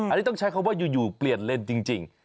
อันนี้ต้องใช้คำว่าอยู่เปลี่ยนเลนส์จริง